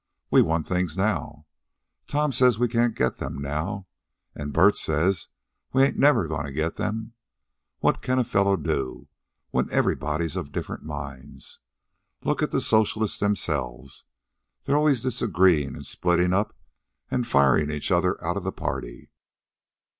We want things now. Tom says we can't get them now, an' Bert says we ain't never goin' to get them. What can a fellow do when everybody's of different minds? Look at the socialists themselves. They're always disagreeing, splittin' up, an' firin' each other out of the party.